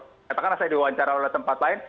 katakanlah saya diwawancara oleh tempat lain